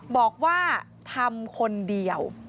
บอกว่าทำคนเดียว